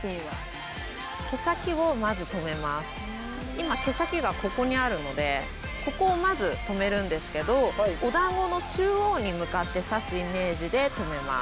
今毛先がここにあるのでここをまず留めるんですけどおだんごの中央に向かって挿すイメージで留めます。